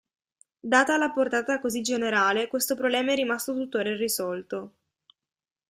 Data la portata così generale, questo problema è rimasto tuttora irrisolto.